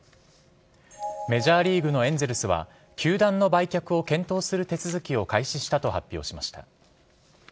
メジャーリーグのエンゼルスは球団の売却を検討する手続きを開始したと発表しました。